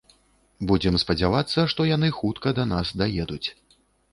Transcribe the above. Будзем спадзявацца, што яны хутка да нас даедуць.